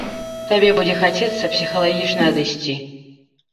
Табе будзе хацецца псіхалагічна адысці.